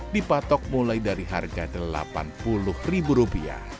dipatok mulai dari harga rp delapan puluh